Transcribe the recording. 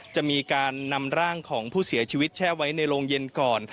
จะมีการนำร่างของผู้เสียชีวิตแช่ไว้ในโรงเย็นก่อน